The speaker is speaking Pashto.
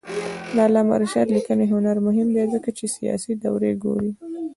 د علامه رشاد لیکنی هنر مهم دی ځکه چې سیاسي دورې ګوري.